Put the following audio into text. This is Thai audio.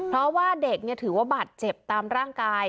เพราะว่าเด็กถือว่าบาดเจ็บตามร่างกาย